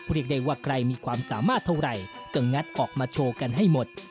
เรียกได้ว่าใครมีความสามารถเท่าไหร่ก็งัดออกมาโชว์กันให้หมด